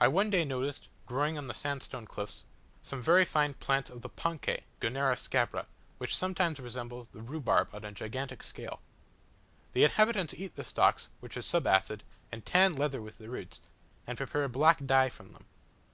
I one day noticed, growing on the sandstone cliffs, some very fine plants of the panke (Gunnera scabra), which somewhat resembles the rhubarb on a gigantic scale. The inhabitants eat the stalks, which are subacid, and tan leather with the roots, and prepare a black dye from them.